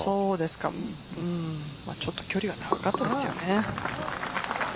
ちょっと距離が長かったですよね。